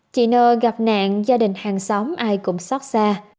chị nờ gặp nạn gia đình hàng xóm ai cũng sót xa